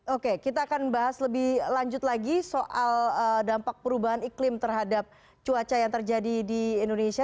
oke kita akan bahas lebih lanjut lagi soal dampak perubahan iklim terhadap cuaca yang terjadi di indonesia